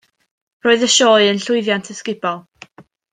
Roedd y sioe yn llwyddiant ysgubol.